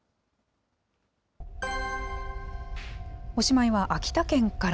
おしまいは秋田県から。